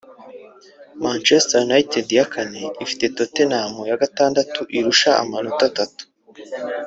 Manchester United ya kane ifite Tottenham (ya gatandatu irusha amanota atatu)